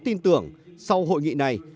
tin tưởng sau hội nghị này